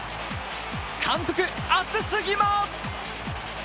監督、熱すぎます。